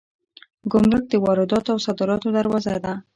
ګمرک د وارداتو او صادراتو دروازه ده